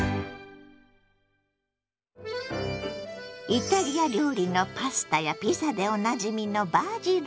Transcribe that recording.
イタリア料理のパスタやピザでおなじみのバジル。